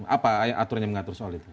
apa aturannya mengatur soal itu